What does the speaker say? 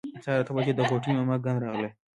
سهار اته بجې د غوټۍ ماما ګان راغلل.